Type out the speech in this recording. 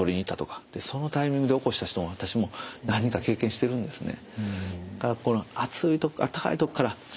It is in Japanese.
そのタイミングで起こした人が私も何人か経験してるんですね。